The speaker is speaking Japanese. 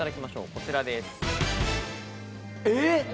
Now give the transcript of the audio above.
こちらです。